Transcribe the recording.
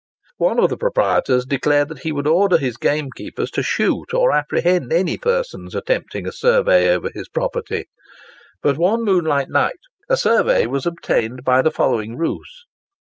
One of the proprietors declared that he would order his game keepers to shoot or apprehend any persons attempting a survey over his property. But one moonlight night a survey was obtained by the following ruse.